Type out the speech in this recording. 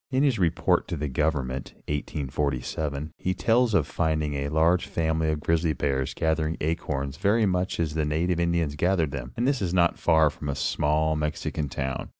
In his report to the government 1847 he tells of finding a large family of grizzly bears gathering acorns very much as the native Indians gathered them, and this not far from a small Mexican town.